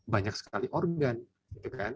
banyak sekali organ